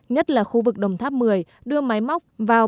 nhất là khu vực đồng tháp một mươi đưa máy móc vào